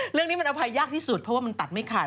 เรื่องนี้มันอภัยยากที่สุดเพราะว่ามันตัดไม่ขาด